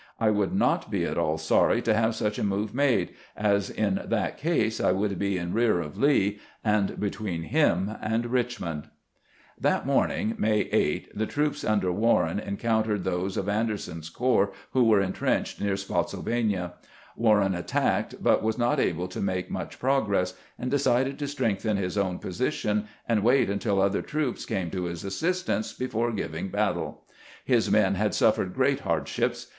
I would not be at all sorry GBANT IN FBONT OF SPOTTSYLVANIA 87 to have such a move made, as in that case I woiold be in rear of Lee, and between him and Richmond." That morning. May 8, the troops under Warren en countered those of Anderson's corps, who were in trenched near Spottsylvania. Warren attacked, but was not able to make much progress, and decided to strengthen his own position and wait until other troops came to his assistance before giving battle. His men had suffered great hardships.